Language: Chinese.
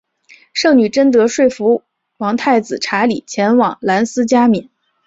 圣女贞德说服王太子查理前往兰斯加冕。